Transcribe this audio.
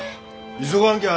急がんきゃ